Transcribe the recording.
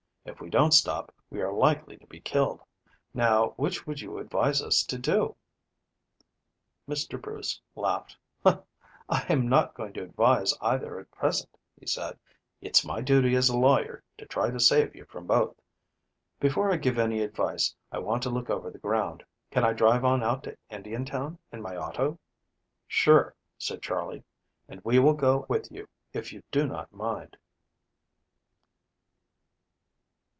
If we don't stop we are likely to be killed. Now which would you advise us to do?" Mr. Bruce laughed. "I am not going to advise either at present," he said. "It's my duty as a lawyer to try to save you from both. Before I give any advice I want to look over the ground. Can I drive on out to Indiantown in my auto?" "Sure," said Charley, "and we will go with you if you do not mind."